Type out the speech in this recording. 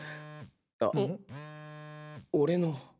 あ俺の。